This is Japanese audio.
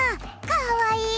かわいい！